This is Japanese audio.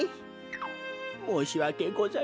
もうしわけございません。